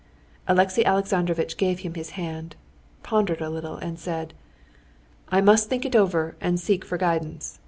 Alexey Alexandrovitch gave him his hand, pondered a little, and said: "I must think it over and seek for guidance.